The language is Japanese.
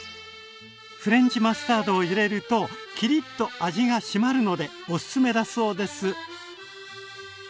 フレンチマスタードを入れるとキリッと味がしまるのでおすすめだそうです。